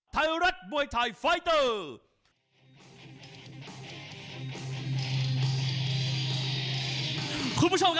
ไทยรัฐมวยไทยไฟเตอร์